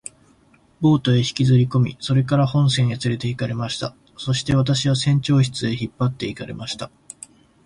ボートへ引きずりこみ、それから本船へつれて行かれました。そして私は船長室へ引っ張って行かれました。